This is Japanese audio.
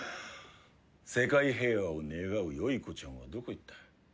世界平和を願う良い子ちゃんはどこ行った？